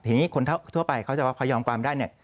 ทีนี้คนทั่วไปเขาจะพยอมความได้เนี่ย